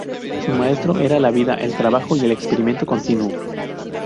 Su maestro era la vida, el trabajo y el experimento continuo.